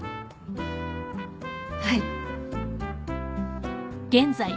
はい